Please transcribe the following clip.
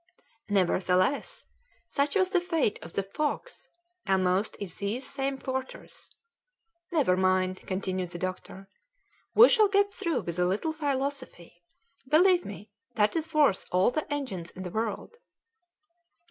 "Nevertheless, such was the fate of the Fox, almost in these same quarters. Never mind," continued the doctor, "we shall get through with a little philosophy. Believe me, that is worth all the engines in the world."